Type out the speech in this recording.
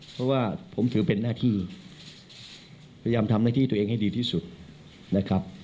เพราะว่าผมถือเป็นหน้าที่พยายามทำหน้าที่ตัวเองให้ดีที่สุดนะครับ